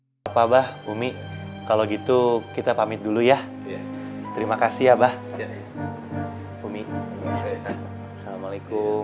sampai dirawat apa bah bumi kalau gitu kita pamit dulu ya terima kasih ya bah bumi assalamualaikum